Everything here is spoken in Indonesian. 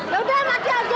yaudah mati aja